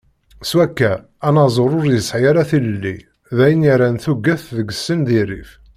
S wakka, anaẓur ur yesɛi ara tilelli, d ayen yerran tuget deg-sen di rrif.